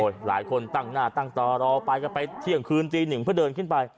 หลายคนตั้งหน้าตั้งตารอไปก็ไปเที่ยงคืนตีหนึ่งเพื่อเดินขึ้นไป